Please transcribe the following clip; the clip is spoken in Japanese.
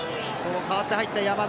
代わって入った山田。